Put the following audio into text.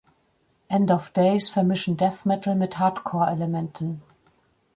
End of Days vermischen Death Metal mit Hardcore-Elementen.